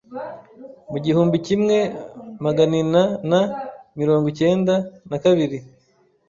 mu gihumbi kimwe maganina na mirongo ikenda na kabiri